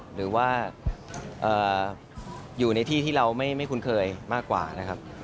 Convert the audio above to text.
หรือว่าอยู่ในที่ที่เราไม่คุ้นเคยมากกว่านะครับ